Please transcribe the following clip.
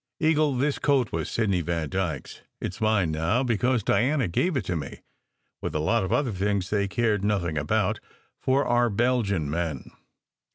"Eagle, this coat was Sidney Vandyke s. It s mine now, because Diana gave it to me, with a lot of other things they cared nothing about, for our Belgian men.